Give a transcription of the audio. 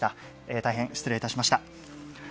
大変失礼いたしました。